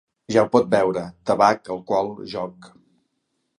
Ja ho pot veure: tabac, alcohol, joc...